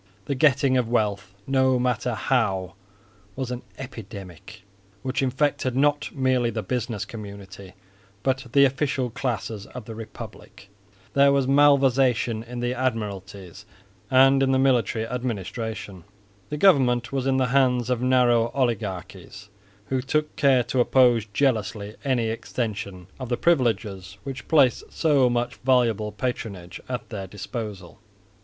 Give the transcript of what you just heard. The getting of wealth, no matter how, was an epidemic, which infected not merely the business community, but the official classes of the republic. There was malversation in the admiralties and in the military administration. The government was in the hands of narrow oligarchies, who took good care to oppose jealously any extension of the privileges which placed so much valuable patronage at their disposal.